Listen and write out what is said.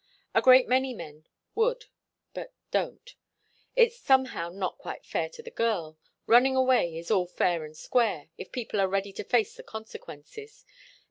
A great many men would, but don't. It's somehow not quite fair to the girl. Running away is all fair and square, if people are ready to face the consequences.